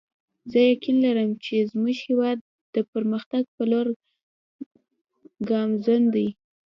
زه یقین لرم چې زموږ هیواد د پرمختګ په لور ګامزن دی